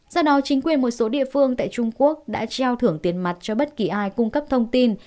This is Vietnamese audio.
do đó chính quyền một số địa phương tại trung quốc đã treo thưởng tiền mặt cho bất kỳ ai cung cấp thông tin